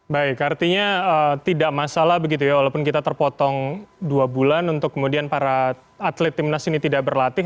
baik artinya tidak masalah begitu ya walaupun kita terpotong dua bulan untuk kemudian para atlet timnas ini tidak berlatih